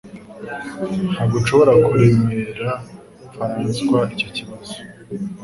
Ntabwo nshobora kuremerera Faranswa icyo kibazo.